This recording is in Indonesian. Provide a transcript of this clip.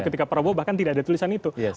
ketika prabowo bahkan tidak ada tulisan itu